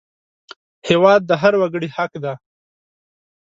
هېواد د هر وګړي حق دی